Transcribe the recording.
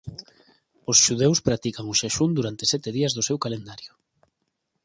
Os xudeus practican o xaxún durante sete días do seu calendario.